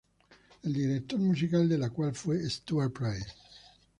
El director musical de la cual fue Stuart Price.